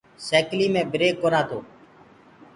سيڪلي مي بِرڪ ڪونآ تو۔